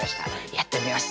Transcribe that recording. やってみます